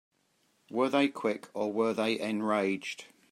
Were they quick or were they enraged?